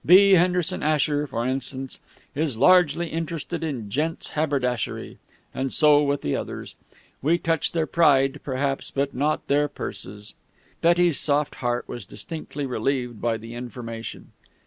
B. Henderson Asher, for instance, is largely interested in gents' haberdashery. And so with the others. We touch their pride, perhaps, but not their purses." Betty's soft heart was distinctly relieved by the information.